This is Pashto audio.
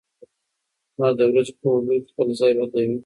لمر د ورځې په اوږدو کې خپل ځای بدلوي.